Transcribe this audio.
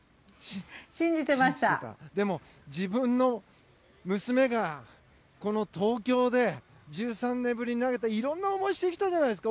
でも自分の娘が東京で１３年ぶりに投げていろんな思いしてきたじゃないですか。